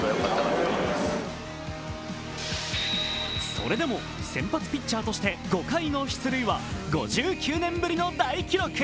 それでも先発ピッチャーとして５回の出塁は５９年ぶりの大記録。